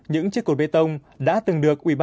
những chiếc cột bê tông đã từng được uyên bảo